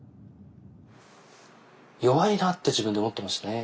弱いなって自分で思ってましたね。